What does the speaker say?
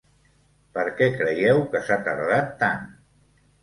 Per què creieu que s’ha tardat tant?